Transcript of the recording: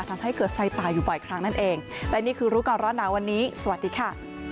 ทำให้เกิดไฟป่าอยู่บ่อยครั้งนั่นเองและนี่คือรู้ก่อนร้อนหนาวันนี้สวัสดีค่ะ